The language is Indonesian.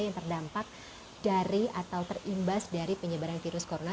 yang terdampak dari atau terimbas dari penyebaran virus corona